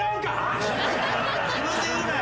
自分で言うなよ。